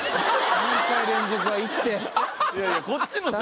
３回連続はもういいって。